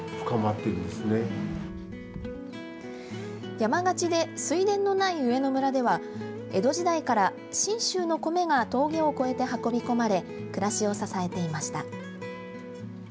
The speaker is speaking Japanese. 山がちで水田のない上野村では江戸時代から信州の米が峠を越えて運び込まれ暮らしを支えていました。